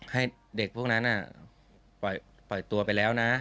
ให้เด็กพวกนั้นปล่อยตัวไปแล้วนะ